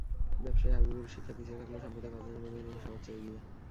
ব্যবসায়ী হাবিবুর শিক্ষায় পিছিয়ে থাকলেও সম্পদে পাঁচজনের মধ্যে তিনি সবার চেয়ে এগিয়ে।